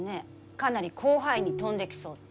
かなり広範囲に飛んできそうって。